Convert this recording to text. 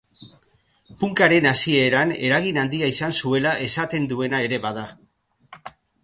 Punkaren hasieran eragin handia izan zuela esaten duena ere bada.